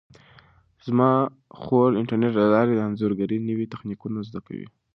زما خور د انټرنیټ له لارې د انځورګرۍ نوي تخنیکونه زده کوي.